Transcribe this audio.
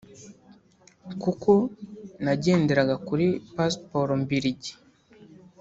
kuko nagenderaga kuri pasiporo Mbiligi